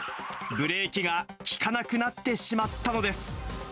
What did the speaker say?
ブレーキが利かなくなってしまったのです。